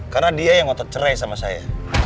karena dia yang mau tercerai sama saya